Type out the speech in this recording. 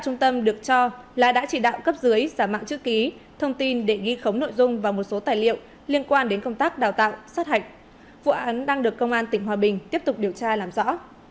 công an tỉnh hòa bình đã chỉ đạo cấp dưới giả mạng chữ ký thông tin để ghi khống nội dung và một số tài liệu liên quan đến công tác đào tạo sát hạch vụ án đang được công an tỉnh hòa bình tiếp tục điều tra làm rõ